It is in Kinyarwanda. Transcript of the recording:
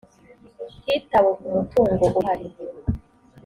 hitawe ku mutungo uhari